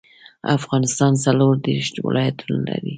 افغانستان څلور ديرش ولايتونه لري.